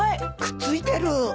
くっついてる。